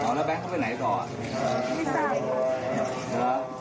เมื่อวานแบงค์อยู่ไหนเมื่อวาน